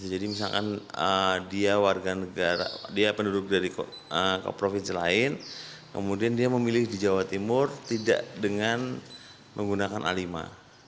jadi misalkan dia penduduk dari provinsi lain kemudian dia memilih di jawa timur tidak dengan menggunakan a lima